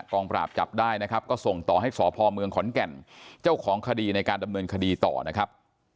กองปราบจับได้นะครับก็ส่งต่อให้สพเมืองขอนแก่นเจ้าของคดีในการดำเนินคดีต่อนะครับ